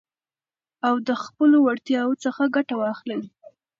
او د خپلو وړتياوو څخه ګټه واخلٸ.